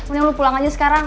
mendingan lu pulang aja sekarang